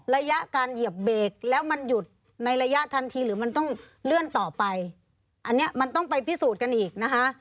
ระยะการเหยียบเบรกแล้วมันหยุดในระยะทันทีหรือมันต้องเลื่อนต่อไปอันนี้มันต้องไปพิสูจน์กันอีกนะคะ